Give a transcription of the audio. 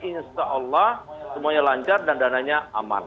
insya allah semuanya lancar dan dananya aman